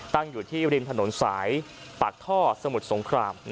ตั้งอยู่ที่ริมถนนสายปากท่อสมุทรสงคราม